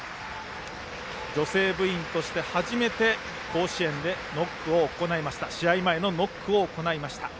女性部員として初めて甲子園で試合前のノックを行いました。